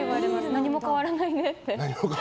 何も変わらないねって。